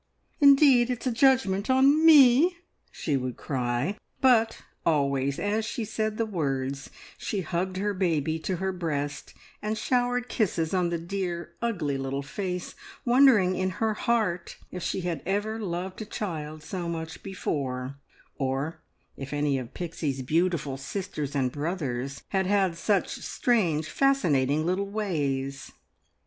"Indeed it's a judgment on me!" she would cry; but always as she said the words she hugged her baby to her breast, and showered kisses on the dear, ugly little face, wondering in her heart if she had ever loved a child so much before, or if any of Pixie's beautiful sisters and brothers had had such strange, fascinating little ways.